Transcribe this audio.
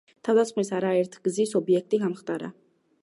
თავდასხმის არაერთგზის ობიექტი გამხდარა.